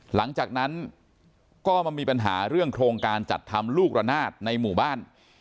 หลังจากนั้นก็มามีปัญหาเรื่องโครงการจัดทำลูกระนาดในหมู่บ้าน